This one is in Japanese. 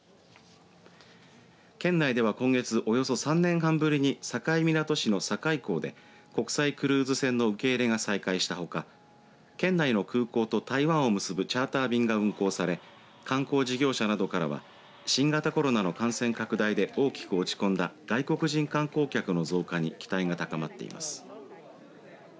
県内では今月およそ３年半ぶりに境港市の境港で国際クルーズ船の受け入れが再開したほか県内の空港と台湾を結ぶチャーター便が運航され観光事業者などからは新型コロナの感染拡大で大きく落ち込んだ外国人観光客の増加に期待が高まっています。